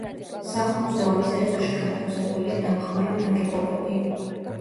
სახლ-მუზეუმის ეზოში განთავსებულია დამხმარე ნაგებობები.